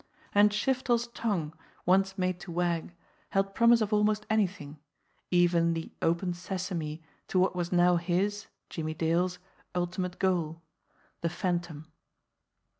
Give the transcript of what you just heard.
And Shiftel's tongue, once made to wag, held promise of almost anything, even the "Open Ses ame" to what was now his, Jimmie Dale's, ultimate goal the Phantom.